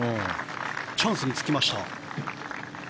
チャンスにつきました。